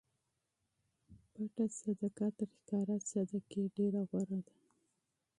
پټه صدقه تر ښکاره صدقې غوره ده.